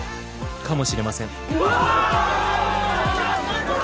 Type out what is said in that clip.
かもしれません